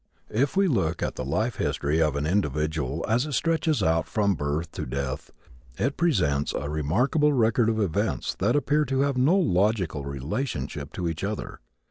If we look at the life history of an individual as it stretches out from birth to death it presents a remarkable record of events that appear to have no logical relationship to each other.